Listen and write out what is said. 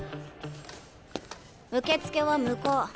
受付は向こう。